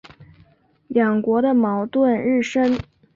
两国的矛盾日深。